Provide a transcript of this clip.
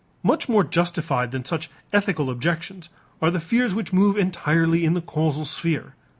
Much more justified than such ethical objections are the fears which move entirely in the causal sphere.